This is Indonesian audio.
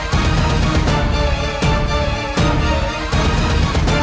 tiba tiba kembali kita ketemu